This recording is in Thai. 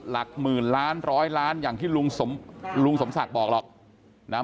หลักหมื่นล้านร้อยล้านอย่างที่ลุงสมลุงสมศักดิ์บอกหรอกนะ